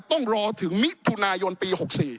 ต้องรอถึงมิถุนายนปี๖๔